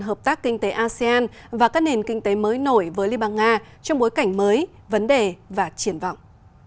hợp tác kinh tế asean và các nền kinh tế mới nổi với liên bang nga trong bối cảnh mới vấn đề và triển vọng